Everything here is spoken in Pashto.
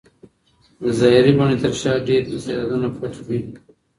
د ظاهري بڼې تر شا ډېر استعدادونه پټ وي.